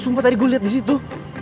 sumpah tadi gue liat disitu